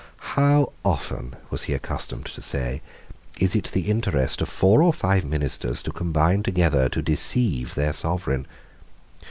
"How often," was he accustomed to say, "is it the interest of four or five ministers to combine together to deceive their sovereign!